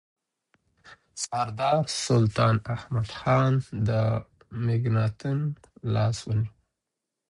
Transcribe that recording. سردار سلطان احمدخان د مکناتن لاس ونیو.